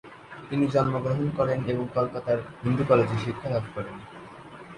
তিনি জন্মগ্রহণ করেন এবং কলকাতার হিন্দু কলেজে শিক্ষা লাভ করেন।